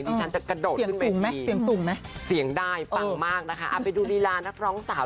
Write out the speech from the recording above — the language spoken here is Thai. ที่ฉันจะกระโดดขึ้นมาทีสียังได้ปังมากนะคะเอาไปดูรีลานักร้องสาว